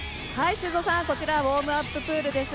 こちらウォームアッププールです。